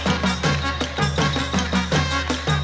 โอ้โหโอ้โหโอ้โห